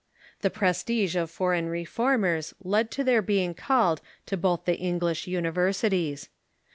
The pres tige of foreign Reformers led to their being called to both the English universities.